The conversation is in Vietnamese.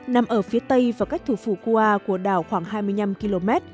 nằm ở phía tây và cách thủ phủ kua của đảo khoảng hai mươi năm km